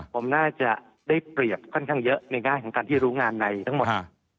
ผมน่าจะได้เปรียบค่อนข้างเยอะในแง่ของการที่รู้งานในทั้งหมด